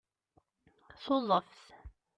Tuḍeft